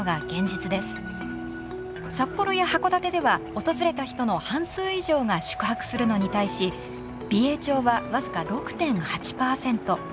札幌や函館では訪れた人の半数以上が宿泊するのに対し美瑛町は僅か６．８％。